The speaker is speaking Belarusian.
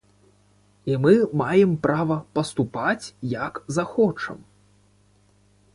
І мы маем права паступаць, як захочам.